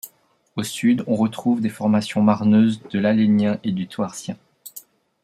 Au sud, on retrouve des formations marneuses de l'Aalénien et du Toarcien.